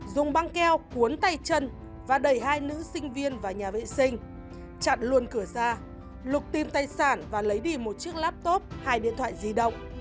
dùng băng keo cuốn tay chân và đẩy hai nữ sinh viên vào nhà vệ sinh chặn luôn cửa ra lục tiêm tay sản và lấy đi một chiếc laptop hai điện thoại di động